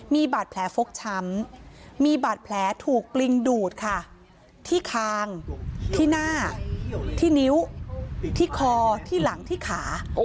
มีบาดแผลฟกช้ำมีบาดแผลถูกปลิงดูดค่ะที่คางที่หน้าที่นิ้วที่คอที่หลังที่ขา